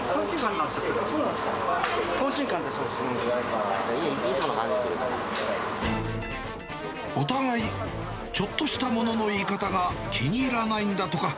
じゃあいいよ、いつもの感じお互い、ちょっとしたものの言い方が気に入らないんだとか。